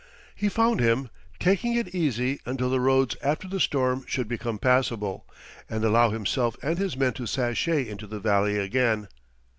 He found him, taking it easy until the roads after the storm should become passable, and allow himself and his men to sashay into the valley again.